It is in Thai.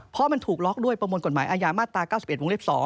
เพราะมันถูกล็อกด้วยประมวลกฎหมายอาญามาตรา๙๑วงเล็บ๒